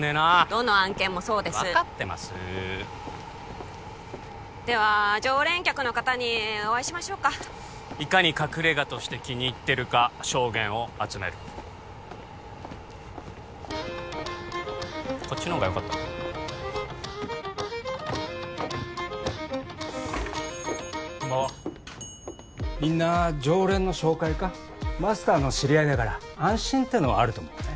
どの案件もそうです分かってますーでは常連客の方にお会いしましょうかいかに隠れ家として気に入ってるか証言を集めるこっちの方がよかったかなこんばんはみんな常連の紹介かマスターの知り合いだから安心ってのはあると思うね